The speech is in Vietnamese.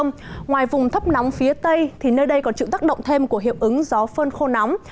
ngoài vùng thấp nóng phía tây thì nơi đây còn chịu tác động thêm của hiệu ứng gió phơn khô nóng